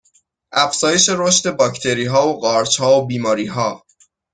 افزایش رشد باکتریها و قارچها و بیماریها